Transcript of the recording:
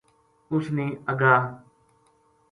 اس نے اَگا